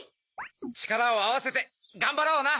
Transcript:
ちからをあわせてがんばろうな。